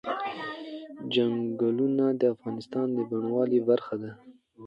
چنګلونه د افغانستان د بڼوالۍ برخه ده.